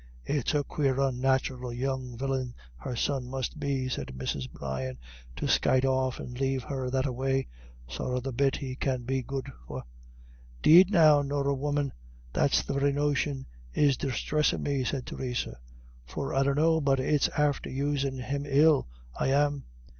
"It's a quare unnathural young villin her son must be," said Mrs. Brian, "to skyte off and lave her that a way. Sorra the bit he can be good for." "'Deed, now, Norah woman, that's the very notion is disthressin' me," said Theresa, "for I dunno but it's after usin' him ill, I am.